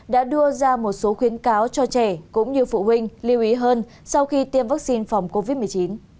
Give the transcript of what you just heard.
đã đưa ra một số khuyến cáo cho trẻ cũng như phụ huynh lưu ý hơn sau khi tiêm vaccine phòng covid một mươi chín